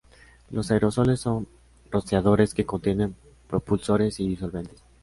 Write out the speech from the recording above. Los aerosoles son rociadores que contienen propulsores y disolventes.